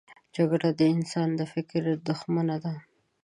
جګړه د انسان د فکر دښمنه ده